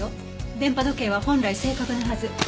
電波時計は本来正確なはず。